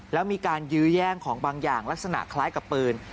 แล้วมีการยื้อแย่งของบางอย่างลักษณะคล้ายกับปืน